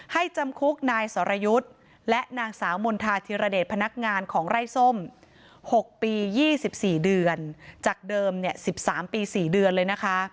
จำคุกนายสรยุทธ์และนางสาวมณฑาธิรเดชพนักงานของไร้ส้ม๖ปี๒๔เดือนจากเดิม๑๓ปี๔เดือนเลยนะคะ